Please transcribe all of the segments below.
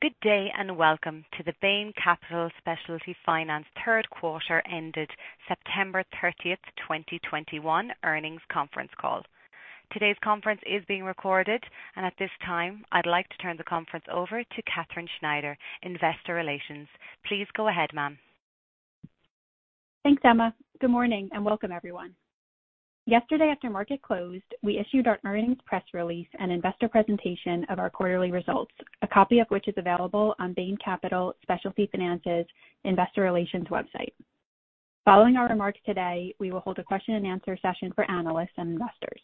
Good day, and welcome to the Bain Capital Specialty third quarter ended September 30th, 2021 earnings conference call. Today's conference is being recorded. At this time, I'd like to turn the conference over to Katherine Schneider, Investor Relations. Please go ahead, ma'am. Thanks, Emma. Good morning, and welcome everyone. Yesterday after the market closed, we issued our earnings press release and investor presentation of our quarterly results, a copy of which is available on Bain Capital Specialty Finance's investor relations website. Following our remarks today, we will hold a question and answer session for analysts and investors.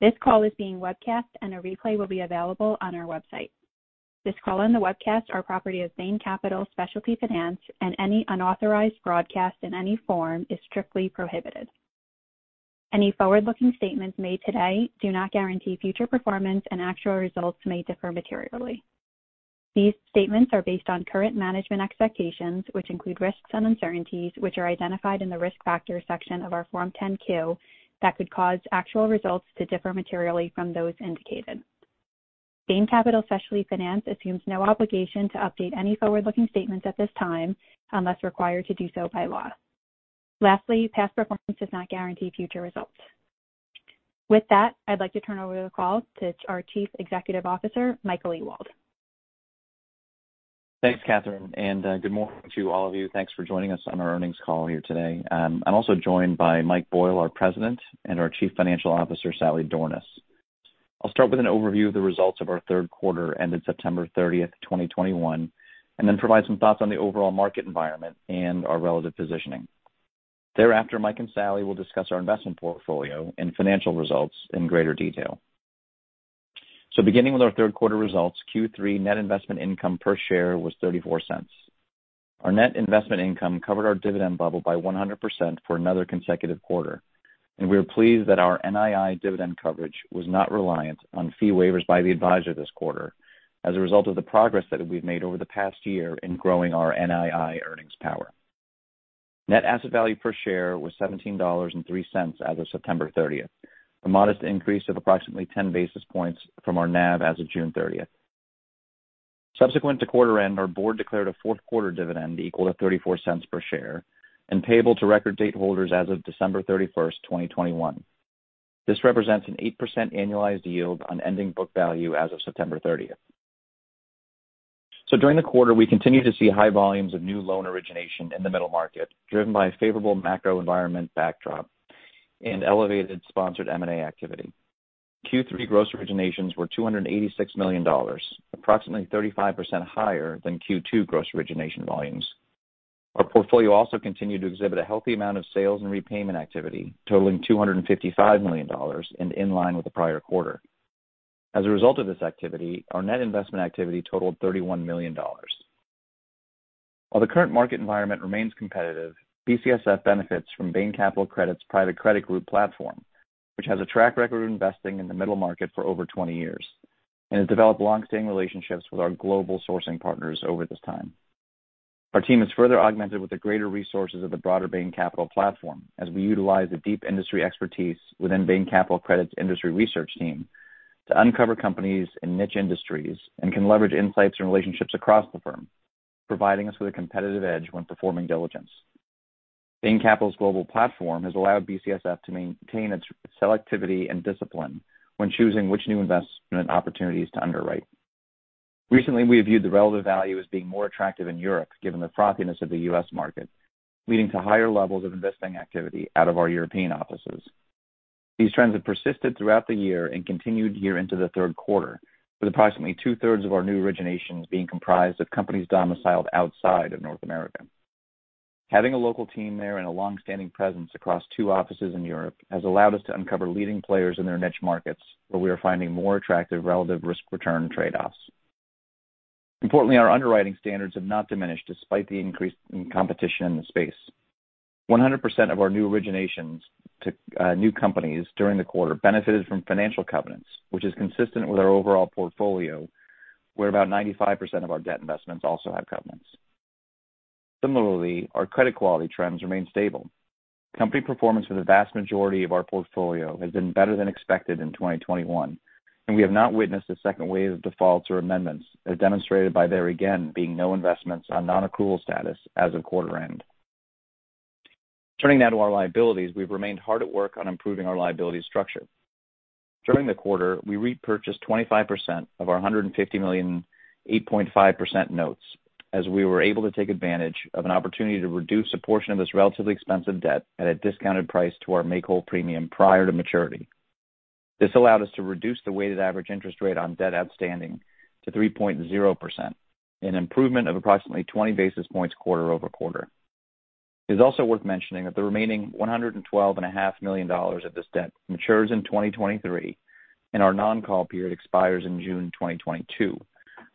This call is being webcast, and a replay will be available on our website. This call and the webcast are property of Bain Capital Specialty Finance, and any unauthorized broadcast in any form is strictly prohibited. Any forward-looking statements made today do not guarantee future performance, and actual results may differ materially. These statements are based on current management expectations, which include risks and uncertainties, which are identified in the Risk Factors section of our Form 10-Q that could cause actual results to differ materially from those indicated. Bain Capital Specialty Finance assumes no obligation to update any forward-looking statements at this time unless required to do so by law. Lastly, past performance does not guarantee future results. With that, I'd like to turn over the call to our Chief Executive Officer, Michael Ewald. Thanks, Katherine, and good morning to all of you. Thanks for joining us on our earnings call here today. I'm also joined by Mike Boyle, our President, and our Chief Financial Officer, Sally Dornaus. I'll start with an overview of the results of third quarter ended September 30th, 2021, and then provide some thoughts on the overall market environment and our relative positioning. Thereafter, Mike and Sally will discuss our investment portfolio and financial results in greater detail. Beginning with third quarter results, Q3 net investment income per share was $0.34. Our net investment income covered our dividend level by 100% for another consecutive quarter, and we are pleased that our NII dividend coverage was not reliant on fee waivers by the advisor this quarter as a result of the progress that we've made over the past year in growing our NII earnings power. Net asset value per share was $17.03 of September 30th, a modest increase of approximately 10 basis points from our NAV as of June 30th. Subsequent to quarter end, our board declared a fourth quarter dividend equal to $0.34 per share and payable to record date holders as of December 31, 2021. This represents an 8% annualized yield on ending book value as of September 30th. During the quarter, we continued to see high volumes of new loan origination in the middle market, driven by a favorable macro environment backdrop and elevated sponsored M&A activity. Q3 gross originations were $286 million, approximately 35% higher than Q2 gross origination volumes. Our portfolio also continued to exhibit a healthy amount of sales and repayment activity, totaling $255 million and in line with the prior quarter. As a result of this activity, our net investment activity totaled $31 million. While the current market environment remains competitive, BCSF benefits from Bain Capital Credit's private credit group platform, which has a track record of investing in the middle market for over 20 years and has developed longstanding relationships with our global sourcing partners over this time. Our team is further augmented with the greater resources of the broader Bain Capital platform as we utilize the deep industry expertise within Bain Capital Credit's industry research team to uncover companies in niche industries and can leverage insights and relationships across the firm, providing us with a competitive edge when performing diligence. Bain Capital's global platform has allowed BCSF to maintain its selectivity and discipline when choosing which new investment opportunities to underwrite. Recently, we have viewed the relative value as being more attractive in Europe, given the frothiness of the US market, leading to higher levels of investing activity out of our European offices. These trends have persisted throughout the year and continued here into third quarter, with approximately two-thirds of our new originations being comprised of companies domiciled outside of North America. Having a local team there and a longstanding presence across two offices in Europe has allowed us to uncover leading players in their niche markets, where we are finding more attractive relative risk-return trade-offs. Importantly, our underwriting standards have not diminished despite the increase in competition in the space. 100% of our new originations to new companies during the quarter benefited from financial covenants, which is consistent with our overall portfolio, where about 95% of our debt investments also have covenants. Similarly, our credit quality trends remain stable. Company performance for the vast majority of our portfolio has been better than expected in 2021, and we have not witnessed a second wave of defaults or amendments, as demonstrated by there again being no investments on non-accrual status as of quarter end. Turning now to our liabilities, we've remained hard at work on improving our liability structure. During the quarter, we repurchased 25% of our $150 million, 8.5% notes as we were able to take advantage of an opportunity to reduce a portion of this relatively expensive debt at a discounted price to our make-whole premium prior to maturity. This allowed us to reduce the weighted average interest rate on debt outstanding to 3.0%, an improvement of approximately 20 basis points quarter over quarter. It is also worth mentioning that the remaining $112.5 million of this debt matures in 2023, and our non-call period expires in June 2022,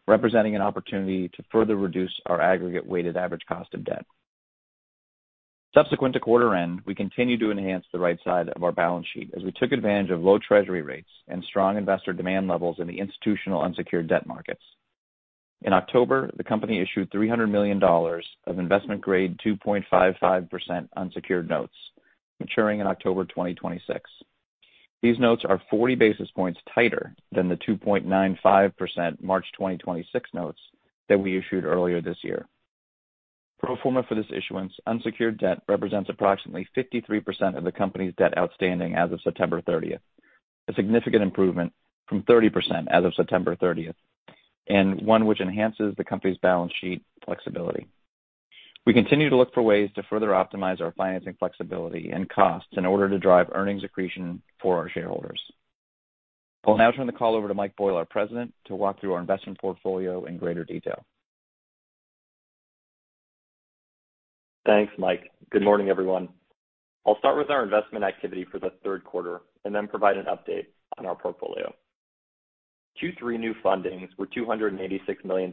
representing an opportunity to further reduce our aggregate weighted average cost of debt. Subsequent to quarter end, we continued to enhance the right side of our balance sheet as we took advantage of low Treasury rates and strong investor demand levels in the institutional unsecured debt markets. In October, the company issued $300 million of investment grade 2.55% unsecured notes maturing in October 2026. These notes are 40 basis points tighter than the 2.95% March 2026 notes that we issued earlier this year. Pro forma for this issuance, unsecured debt represents approximately 53% of the company's debt outstanding of September 30th, a significant improvement from 30% of September 30th, and one which enhances the company's balance sheet flexibility. We continue to look for ways to further optimize our financing flexibility and costs in order to drive earnings accretion for our shareholders. I'll now turn the call over to Mike Boyle, our President, to walk through our investment portfolio in greater detail. Thanks, Mike. Good morning, everyone. I'll start with our investment activity for third quarter, and then provide an update on our portfolio. Q3 new fundings were $286 million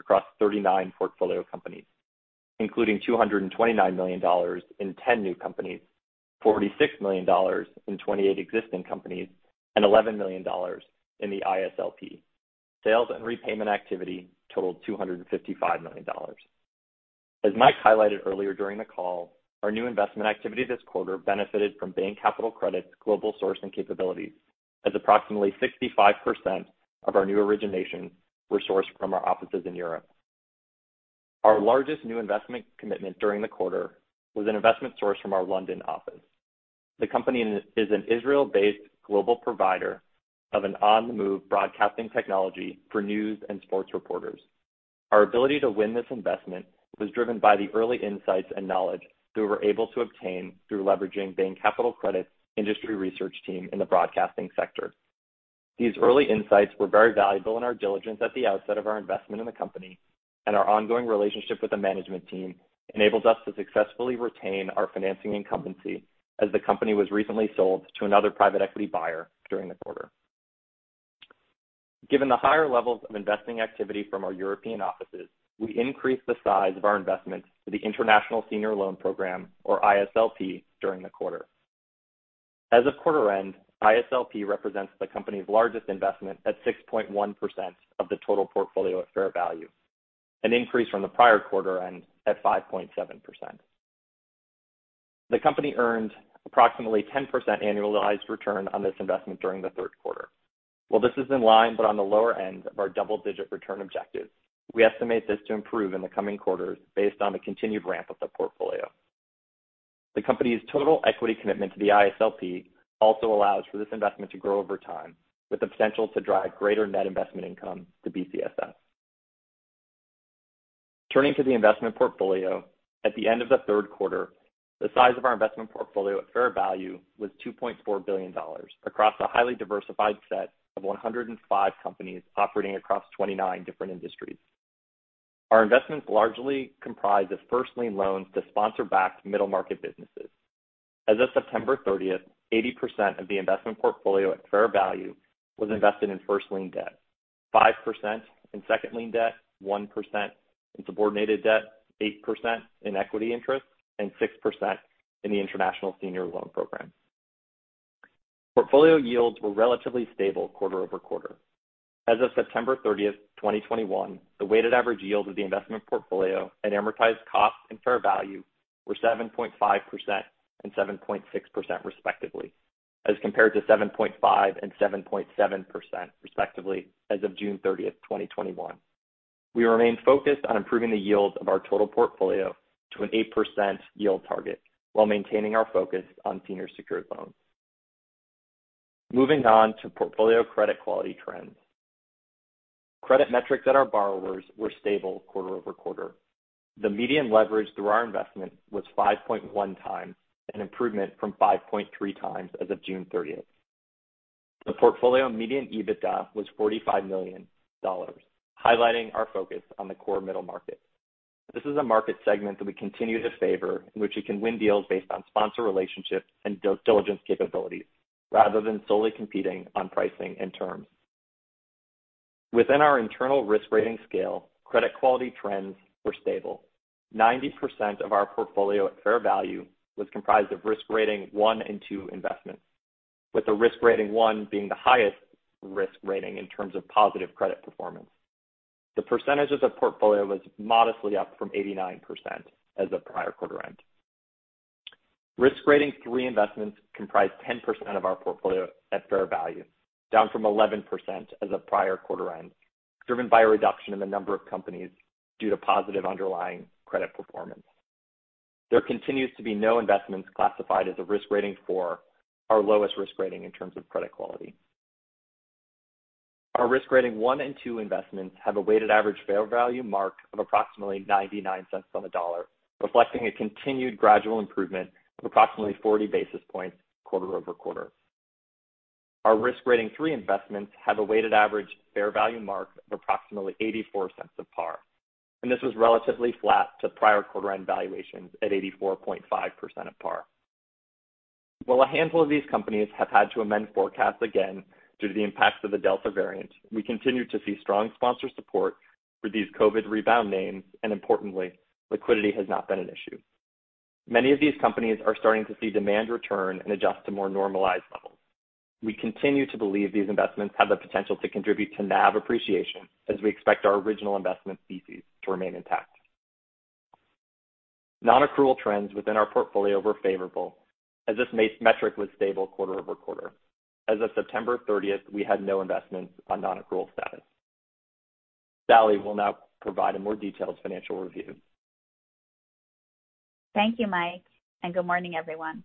across 39 portfolio companies, including $229 million in 10 new companies, $46 million in 28 existing companies, and $11 million in the ISLP. Sales and repayment activity totaled $255 million. As Mike highlighted earlier during the call, our new investment activity this quarter benefited from Bain Capital Credit's global sourcing capabilities as approximately 65% of our new originations were sourced from our offices in Europe. Our largest new investment commitment during the quarter was an investment sourced from our London office. The company is an Israel-based global provider of an on-the-move broadcasting technology for news and sports reporters. Our ability to win this investment was driven by the early insights and knowledge that we were able to obtain through leveraging Bain Capital Credit's industry research team in the broadcasting sector. These early insights were very valuable in our diligence at the outset of our investment in the company, and our ongoing relationship with the management team enables us to successfully retain our financing incumbency as the company was recently sold to another private equity buyer during the quarter. Given the higher levels of investing activity from our European offices, we increased the size of our investments to the International Senior Loan Program, or ISLP, during the quarter. As of quarter end, ISLP represents the company's largest investment at 6.1% of the total portfolio at fair value, an increase from the prior quarter end at 5.7%. The company earned approximately 10% annualized return on this investment during third quarter. while this is in line but on the lower end of our double-digit return objectives, we estimate this to improve in the coming quarters based on the continued ramp of the portfolio. The company's total equity commitment to the ISLP also allows for this investment to grow over time, with the potential to drive greater net investment income to BCSF. Turning to the investment portfolio. At the end of third quarter, the size of our investment portfolio at fair value was $2.4 billion across a highly diversified set of 105 companies operating across 29 different industries. Our investments largely comprised of first lien loans to sponsor-backed middle-market businesses. of September 30th, 80% of the investment portfolio at fair value was invested in first-lien debt, 5% in second-lien debt, 1% in subordinated debt, 8% in equity interest, and 6% in the International Senior Loan Program. Portfolio yields were relatively stable quarter-over-quarter. of September 30th, 2021, the weighted average yield of the investment portfolio at amortized cost and fair value were 7.5% and 7.6% respectively, as compared to 7.5% and 7.7% respectively as of June 30th, 2021. We remain focused on improving the yield of our total portfolio to an 8% yield target while maintaining our focus on senior secured loans. Moving on to portfolio credit quality trends. Credit metrics at our borrowers were stable quarter-over-quarter. The median leverage through our investment was 5.1x, an improvement from 5.3x as of June 30th. The portfolio median EBITDA was $45 million, highlighting our focus on the core middle market. This is a market segment that we continue to favor, in which we can win deals based on sponsor relationships and due diligence capabilities rather than solely competing on pricing and terms. Within our internal risk rating scale, credit quality trends were stable. 90% of our portfolio at fair value was comprised of risk rating one and two investments, with the risk rating one being the highest risk rating in terms of positive credit performance. The percentage of the portfolio was modestly up from 89% as of prior quarter end. Risk rating three investments comprised 10% of our portfolio at fair value, down from 11% as of prior quarter end, driven by a reduction in the number of companies due to positive underlying credit performance. There continues to be no investments classified as a risk rating four, our lowest risk rating in terms of credit quality. Our risk rating one and two investments have a weighted average fair value mark of approximately $0.99 on the dollar, reflecting a continued gradual improvement of approximately 40 basis points quarter-over-quarter. Our risk rating three investments have a weighted average fair value mark of approximately $0.84 of par, and this was relatively flat to prior quarter end valuations at 84.5% of par. While a handful of these companies have had to amend forecasts again due to the impacts of the Delta variant, we continue to see strong sponsor support for these COVID rebound names, and importantly, liquidity has not been an issue. Many of these companies are starting to see demand return and adjust to more normalized levels. We continue to believe these investments have the potential to contribute to NAV appreciation as we expect our original investment thesis to remain intact. Nonaccrual trends within our portfolio were favorable as this metric was stable quarter-over-quarter. As of september 30th, we had no investments on nonaccrual status. Sally will now provide a more detailed financial review. Thank you, Mike, and good morning, everyone.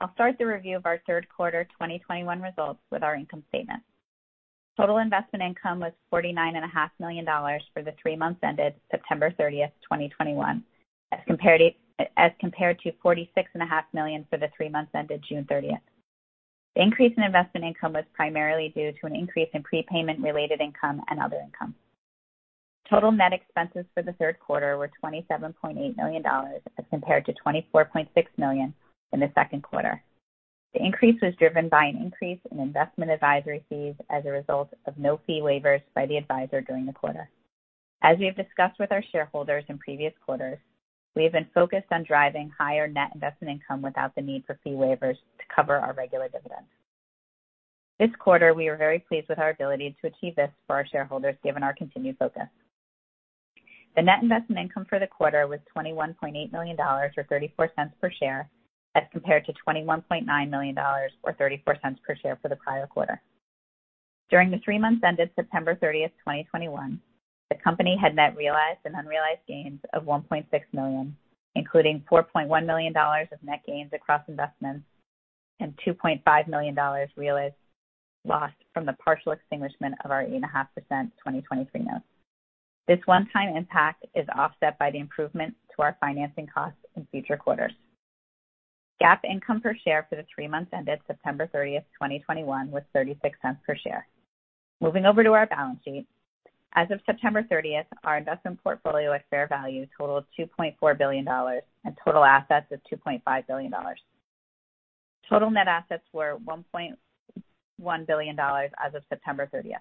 I'll start the review of third quarter 2021 results with our income statement. Total investment income was $49 and a half million for the three months ended September 30th, 2021, as compared to $46 and a half million for the three months ended June 30. The increase in investment income was primarily due to an increase in prepayment-related income and other income. Total net expenses for third quarter were $27.8 million as compared to $24.6 million in the second quarter. The increase was driven by an increase in investment advisory fees as a result of no fee waivers by the advisor during the quarter. As we have discussed with our shareholders in previous quarters, we have been focused on driving higher net investment income without the need for fee waivers to cover our regular dividends. This quarter, we are very pleased with our ability to achieve this for our shareholders given our continued focus. The net investment income for the quarter was $21.8 million or $0.34 per share, as compared to $21.9 million or $0.34 per share for the prior quarter. During the three months ended September 30th, 2021, the company had net realized and unrealized gains of $1.6 million, including $4.1 million of net gains across investments and $2.5 million realized loss from the partial extinguishment of our 8.5% 2023 notes. This one-time impact is offset by the improvement to our financing costs in future quarters. GAAP income per share for the three months ended September 30th, 2021 was $0.36 per share. Moving over to our balance sheet. of September 30th, our investment portfolio at fair value totaled $2.4 billion, and total assets of $2.5 billion. Total net assets were $1.1 billion of September 30th.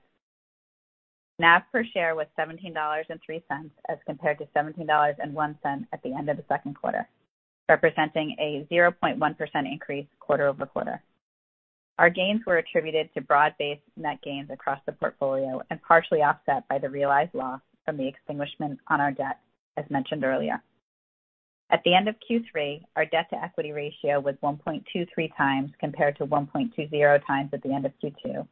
nav per share was $17.03 as compared to $17.01 at the end of the second quarter, representing a 0.1% increase quarter-over-quarter. Our gains were attributed to broad-based net gains across the portfolio and partially offset by the realized loss from the extinguishment on our debt as mentioned earlier. At the end of Q3, our debt-to-equity ratio was 1.23x compared to 1.20x at the end of Q2.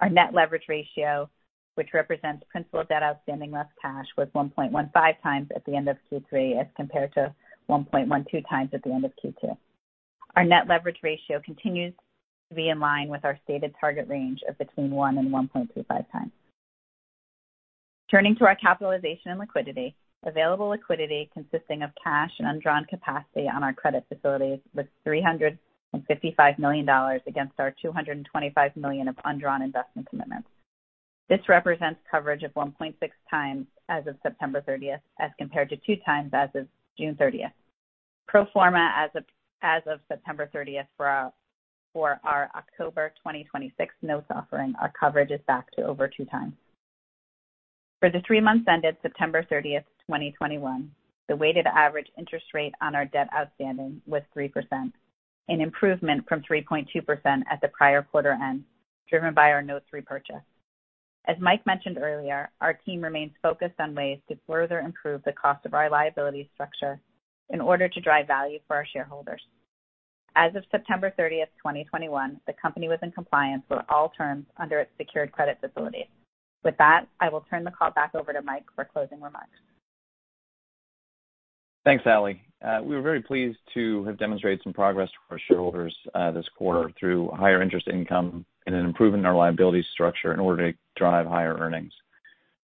Our net leverage ratio, which represents principal debt outstanding less cash, was 1.15x at the end of Q3 as compared to 1.12x at the end of Q2. Our net leverage ratio continues to be in line with our stated target range of between 1x and 1.25x. Turning to our capitalization and liquidity. Available liquidity consisting of cash and undrawn capacity on our credit facilities was $355 million against our $225 million of undrawn investment commitments. This represents coverage of 1.6x of September 30th, as compared to 2x as of June 30th. Pro forma of September 30th for our October 2026 notes offering, our coverage is back to over 2x. For the three months ended September 30th, 2021, the weighted average interest rate on our debt outstanding was 3%, an improvement from 3.2% at the prior quarter end, driven by our notes repurchase. As Mike mentioned earlier, our team remains focused on ways to further improve the cost of our liability structure in order to drive value shareholders. As of September 30th, 2021, the company was in compliance with all terms under its secured credit facility. With that, I will turn the call back over to Mike for closing remarks. Thanks, Sally. We were very pleased to have demonstrated some progress to our shareholders, this quarter through higher interest income and an improvement in our liabilities structure in order to drive higher earnings.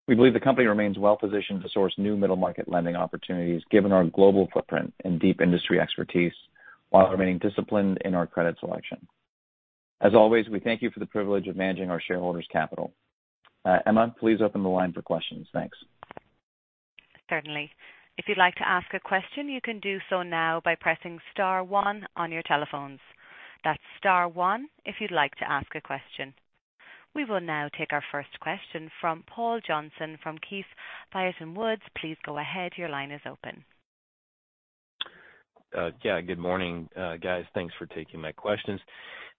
We believe the company remains well-positioned to source new middle market lending opportunities given our global footprint and deep industry expertise while remaining disciplined in our credit selection. As always, we thank you for the privilege of managing our shareholders' capital. Emma, please open the line for questions. Thanks. Certainly. If you'd like to ask a question, you can do so now by pressing star one on your telephones. That's star one if you'd like to ask a question. We will now take our first question from Paul Johnson from Keefe, Bruyette & Woods. Please go ahead. Your line is open. Yeah, good morning, guys. Thanks for taking my questions.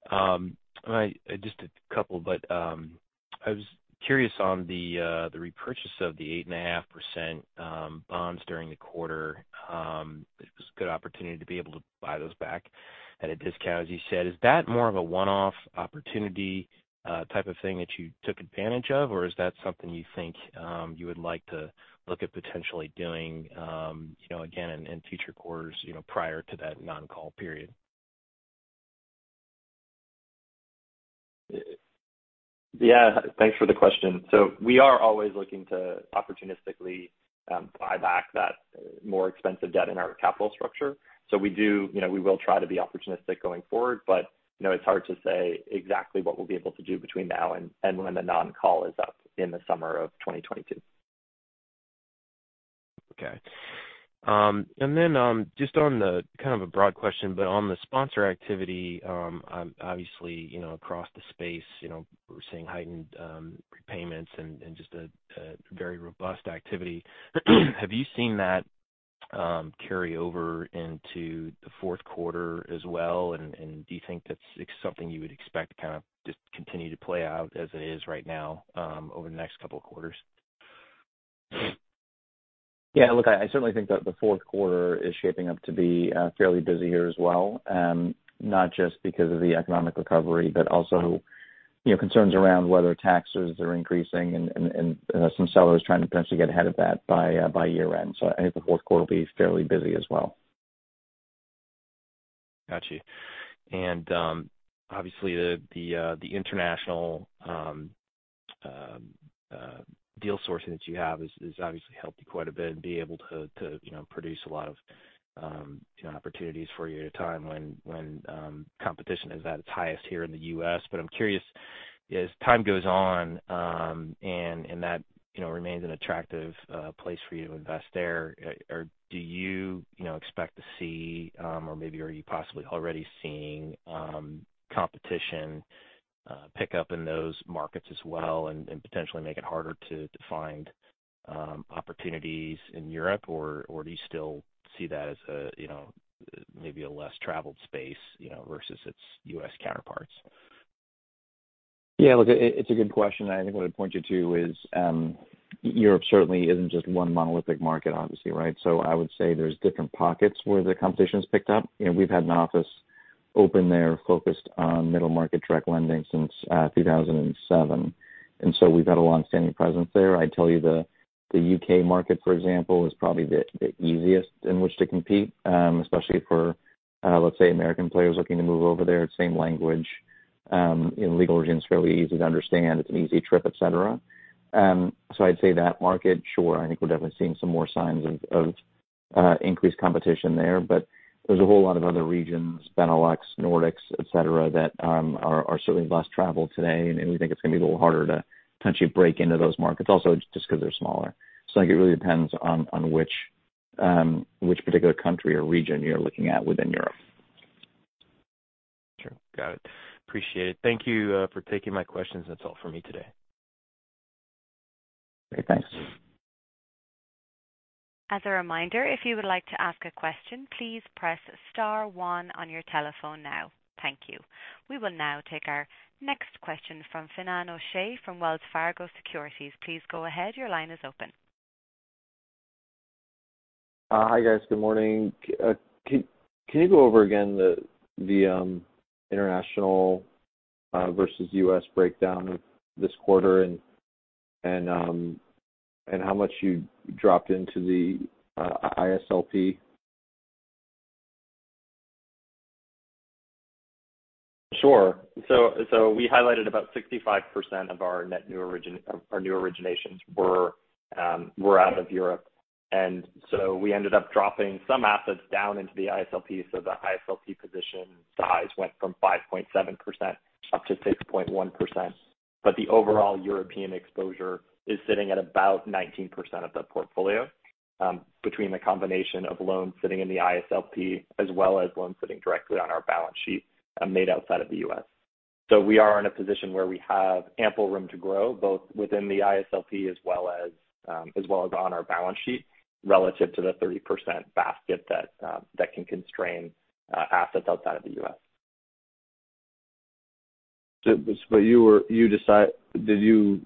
Just a couple, but I was curious on the repurchase of the 8.5% bonds during the quarter. It was a good opportunity to be able to buy those back at a discount, as you said. Is that more of a one-off opportunity type of thing that you took advantage of, or is that something you think you would like to look at potentially doing, you know, again in future quarters, you know, prior to that non-call period? Yeah. Thanks for the question. We are always looking to opportunistically buy back that more expensive debt in our capital structure. We do. You know, we will try to be opportunistic going forward, but, you know, it's hard to say exactly what we'll be able to do between now and when the non-call is up in the summer of 2022. Okay. Just on the kind of a broad question, but on the sponsor activity, obviously, you know, across the space, you know, we're seeing heightened prepayments and just a very robust activity. Have you seen that carry over into the fourth quarter as well? Do you think that's something you would expect to kind of just continue to play out as it is right now over the next couple of quarters? Yeah, look, I certainly think that the fourth quarter is shaping up to be fairly busy here as well, not just because of the economic recovery, but also, you know, concerns around whether taxes are increasing and some sellers trying to potentially get ahead of that by year-end. I think the fourth quarter will be fairly busy as well. Got you. Obviously, the international deal sourcing that you have is obviously helped you quite a bit and be able to you know produce a lot of you know opportunities for you at a time when competition is at its highest here in the US I'm curious, as time goes on, and that you know remains an attractive place for you to invest there, or do you you know expect to see, or maybe are you possibly already seeing competition pick up in those markets as well and potentially make it harder to find opportunities in Europe or do you still see that as a you know maybe a less traveled space you know versus its US counterparts? Yeah. Look, it's a good question. I think what I'd point you to is, Europe certainly isn't just one monolithic market, obviously, right? I would say there's different pockets where the competition's picked up. You know, we've had an office open there focused on middle market direct lending since 2007. We've had a long-standing presence there. I'd tell you the UK market, for example, is probably the easiest in which to compete, especially for, let's say, American players looking to move over there. Same language, you know, legal origins fairly easy to understand. It's an easy trip, et cetera. I'd say that market, sure, I think we're definitely seeing some more signs of increased competition there. There's a whole lot of other regions, Benelux, Nordics, et cetera, that are certainly less traveled today. We think it's gonna be a little harder to potentially break into those markets also just 'cause they're smaller. I think it really depends on which particular country or region you're looking at within Europe. Sure. Got it. Appreciate it. Thank you, for taking my questions. That's all for me today. Great. Thanks. As a reminder, if you would like to ask a question, please press star one on your telephone now. Thank you. We will now take our next question from Finian O'Shea from Wells Fargo Securities. Please go ahead. Your line is open. Hi, guys. Good morning. Can you go over again the international versus US breakdown this quarter and how much you dropped into the ISLP? Sure. We highlighted about 65% of our new originations were out of Europe, and we ended up dropping some assets down into the ISLP. The ISLP position size went from 5.7% up to 6.1%. The overall European exposure is sitting at about 19% of the portfolio, between the combination of loans sitting in the ISLP as well as loans sitting directly on our balance sheet, made outside of the US. We are in a position where we have ample room to grow, both within the ISLP as well as on our balance sheet relative to the 30% basket that can constrain assets outside of the US. Did you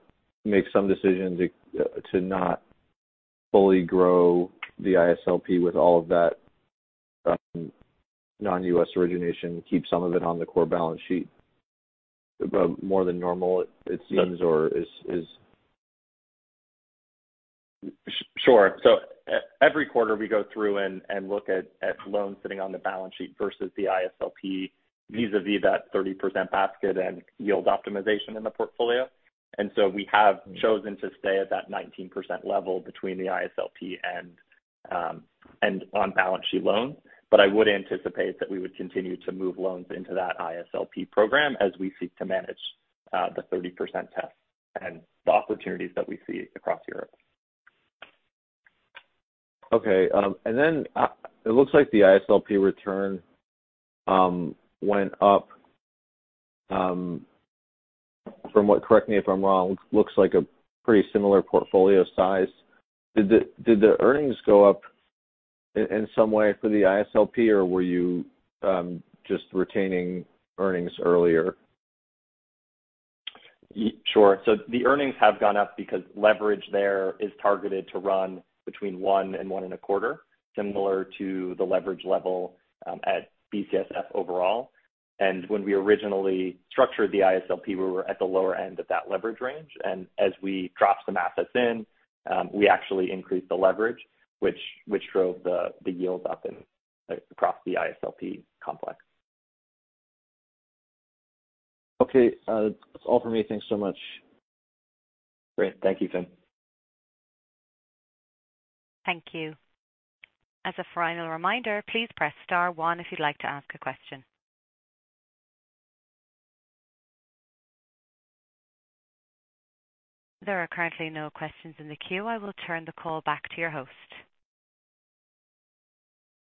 make some decision to not fully grow the ISLP with all of that non-US origination, keep some of it on the core balance sheet, but more than normal it seems, or is? Sure. Every quarter, we go through and look at loans sitting on the balance sheet versus the ISLP vis-à-vis that 30% basket and yield optimization in the portfolio. We have chosen to stay at that 19% level between the ISLP and on balance sheet loans. I would anticipate that we would continue to move loans into that ISLP program as we seek to manage the 30% test and the opportunities that we see across Europe. Okay, it looks like the ISLP return went up from what. Correct me if I'm wrong, looks like a pretty similar portfolio size. Did the earnings go up in some way for the ISLP, or were you just retaining earnings earlier? Sure. The earnings have gone up because leverage there is targeted to run between one and one and a quarter, similar to the leverage level at BCSF overall. When we originally structured the ISLP, we were at the lower end of that leverage range. As we dropped some assets in, we actually increased the leverage, which drove the yield up in across the ISLP complex. Okay, that's all for me. Thanks so much. Great. Thank you, Finian. Thank you. As a final reminder, please press star one if you'd like to ask a question. There are currently no questions in the queue. I will turn the call back to your host.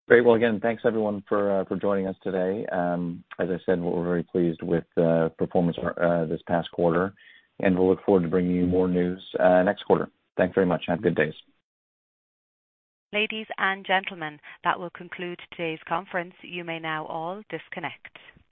Great. Well, again, thanks everyone for joining us today. As I said, we're very pleased with the performance this past quarter, and we'll look forward to bringing you more news next quarter. Thanks very much. Have good days. Ladies and gentlemen, that will conclude today's conference. You may now all disconnect.